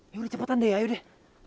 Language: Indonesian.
ya udah cepetan deh ayo deh